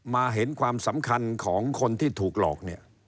มาเห็นความสำคัญของคนที่ถูกหลอก